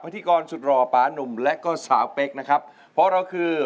ดินอุ่นโรคและเย็นก็เป็นเพื่อนเกิน